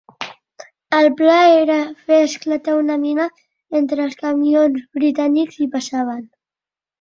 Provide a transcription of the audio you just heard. El pla era de fer esclatar una mina mentre els camions britànics hi passaven.